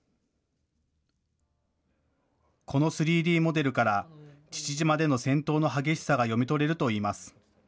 この３Ｄモデルから、父島での戦闘の激しさが読み取れるといいます。